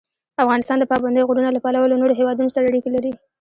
افغانستان د پابندی غرونه له پلوه له نورو هېوادونو سره اړیکې لري.